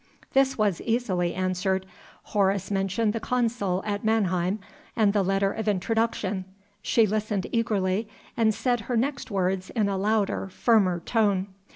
This was easily answered. Horace mentioned the consul at Mannheim, and the letter of introduction. She listened eagerly, and said her next words in a louder, firmer tone.